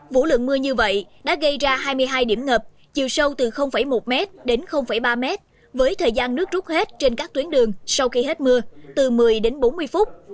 vũ lượng mưa như vậy đã gây ra hai mươi hai điểm ngập chiều sâu từ một m đến ba mét với thời gian nước rút hết trên các tuyến đường sau khi hết mưa từ một mươi đến bốn mươi phút